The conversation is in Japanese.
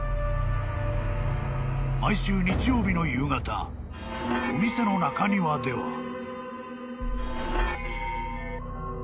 ［毎週日曜日の夕方お店の中庭では］